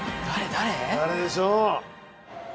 誰でしょう？